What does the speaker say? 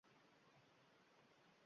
Pusib, asta butaga yaqinlashdi.